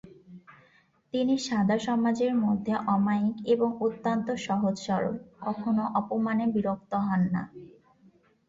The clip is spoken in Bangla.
তিনি সাদা সমাজের মধ্যে অমায়িক এবং অত্যন্ত সহজ-সরল, কখনও অপমানে বিরক্ত হন না।